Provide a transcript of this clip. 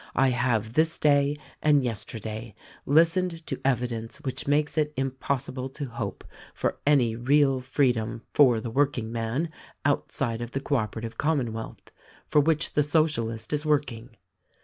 I have this day and yester day listened to evidence which makes it impossible to hope for any real freedom for the workingman outside of the Co operative Commonwealth, for which the Socialist is work ing.